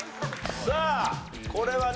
さあこれはね